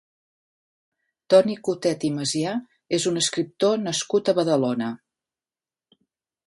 Toni Cotet i Masià és un escriptor nascut a Badalona.